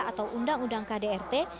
atau undang undang kdrt